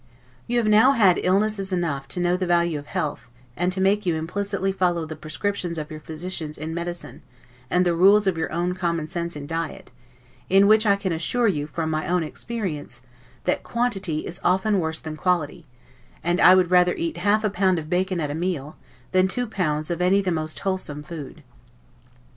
You have now had illnesses enough, to know the value of health, and to make you implicitly follow the prescriptions of your physician in medicines, and the rules of your own common sense in diet; in which, I can assure you, from my own experience, that quantity is often worse than quality; and I would rather eat half a pound of bacon at a meal, than two pounds of any the most wholesome food.